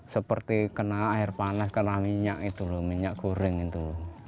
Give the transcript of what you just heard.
seperti kena air panas kena minyak itu loh minyak goreng itu